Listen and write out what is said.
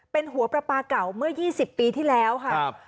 เป็นหัวปลาปลาเก่าเมื่อ๒๐ปีที่แล้วค่ะ